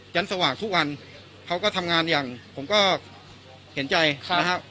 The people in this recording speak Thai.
สว่างทุกวันเขาก็ทำงานอย่างผมก็เห็นใจนะครับ